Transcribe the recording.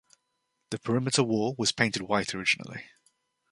The perimeter wall was painted white originally.